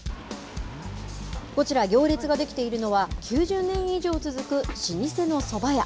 こちら、行列が出来ているのは、９０年以上続く老舗のそば屋。